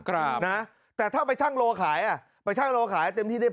ครับนะแต่ถ้าไปชังโลขายอ่ะไปช่างโลขายเต็มที่ได้พอ